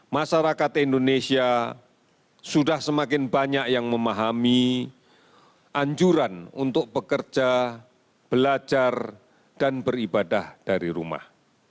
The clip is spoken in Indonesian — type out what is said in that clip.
masyarakat indonesia sudah semakin banyak yang memahami anjuran untuk bekerja belajar dan beribadah dari rumah